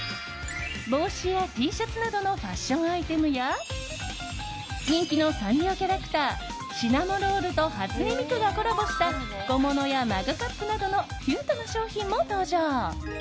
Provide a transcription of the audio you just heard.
帽子やＴシャツなどのファッションアイテムや人気のサンリオキャラクターシナモロールと初音ミクがコラボした小物やマグカップなどのキュートな商品も登場。